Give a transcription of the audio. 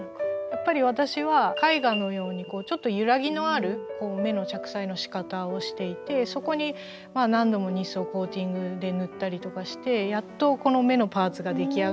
やっぱり私は絵画のようにちょっと揺らぎのある目の着彩のしかたをしていてそこに何度もニスをコーティングで塗ったりとかしてやっとこの目のパーツが出来上がるっていう。